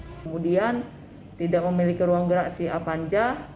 kemudian tidak memiliki ruang gerak si apanja